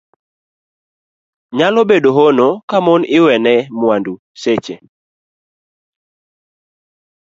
Nyalo bedo hono ka mon iwene mwandu seche